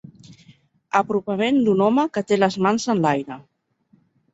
Apropament d'un home que té les mans enlaire.